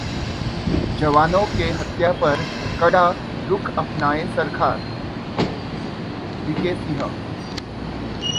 जवानों की हत्या पर कड़ा रुख अपनाए सरकार: वीके सिंह